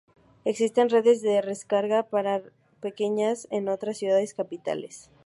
Existen redes de recarga más pequeñas en otras ciudades capitales.